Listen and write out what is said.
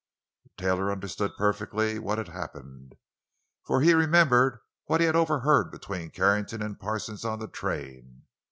Taylor understood perfectly what had happened, for he remembered what he had overheard between Carrington and Parsons on the train.